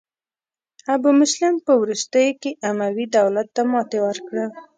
ابو مسلم په وروستیو کې اموي دولت ته ماتې ورکړه.